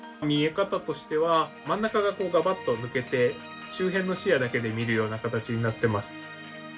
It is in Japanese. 見え方としては真ん中が、がばっと抜けて周辺の視野だけで見るような形になっています。